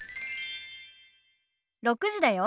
６時だよ。